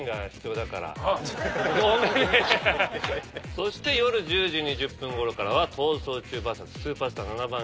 そして夜１０時２０分ごろからは『逃走中』ＶＳスーパースター７番勝負。